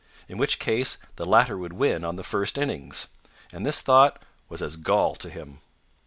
In which case the latter would win on the first innings. And this thought was as gall to him.